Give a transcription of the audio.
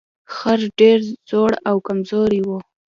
خر ډیر زوړ او کمزوری و.